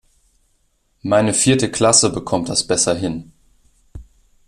Meine vierte Klasse bekommt das besser hin.